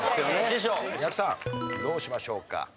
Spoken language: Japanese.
やくさんどうしましょうか？